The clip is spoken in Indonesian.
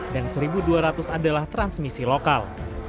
dan satu dua ratus adalah transmisi lokal